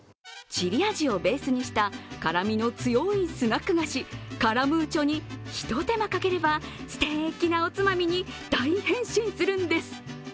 チリ味をベースにした絡みの強いスナック菓子、カラムーチョにひと手間かければ、すてきなおつまみに大変身するんです。